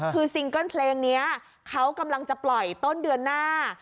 คือซิงเกิ้ลเพลงนี้เขากำลังจะปล่อยต้นเดือนหน้า